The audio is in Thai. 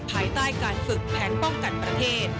ภายใต้การฝึกแผนป้องกันประเทศ